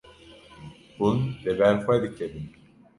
Hûn li ber xwe dikevin.